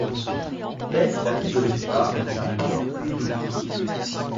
Mais la vie de star n’a pas que de beaux côtés.